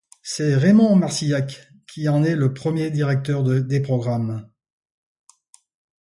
C'est Raymond Marcillac qui en est le premier directeur des programmes.